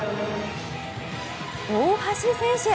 大橋選手。